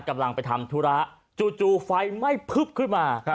กำลังไปทำธุระจู่ไฟไหม้พึบขึ้นมา